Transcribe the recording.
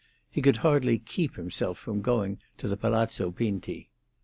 He could hardly keep himself from going to Palazzo Pinti.